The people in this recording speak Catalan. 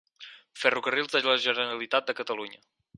Ferrocarrils de la Generalitat de Catalunya.